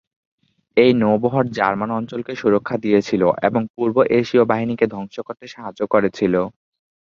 এই নৌ বহর জার্মান অঞ্চলকে সুরক্ষা দিয়েছিল এবং পূর্ব এশিয় বাহিনীকে ধ্বংস করতে সাহায্য করেছিলো।